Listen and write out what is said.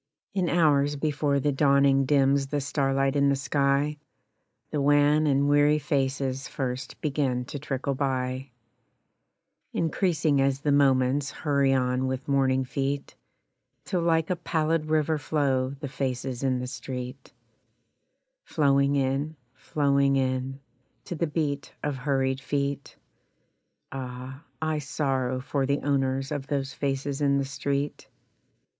In hours before the dawning dims the starlight in the sky The wan and weary faces first begin to trickle by, Increasing as the moments hurry on with morning feet, Till like a pallid river flow the faces in the street Flowing in, flowing in, To the beat of hurried feet Ah! I sorrow for the owners of those faces in the street.